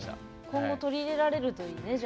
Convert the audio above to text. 今後取り入れられるといいね。